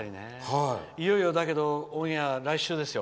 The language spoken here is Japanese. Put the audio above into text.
いよいよだけどオンエアは来週ですよ。